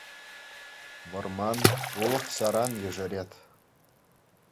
Вӑрман, улӑх-ҫаран ешерет.